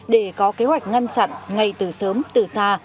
để có kế hoạch ngăn chặn ngay từ sớm từ xa